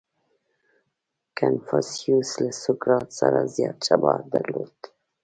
• کنفوسیوس له سوکرات سره زیات شباهت درلود.